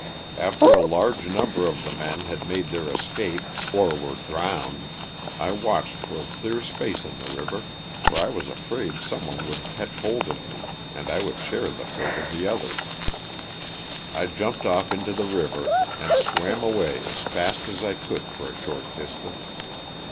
After a large number of the men had made their escape or were drowned I watched for a clear space in the river, for I was afraid some one would catch hold of me and I would share the fate of the others. I jumped off into the river, and swam away as fast as I could for a short distance.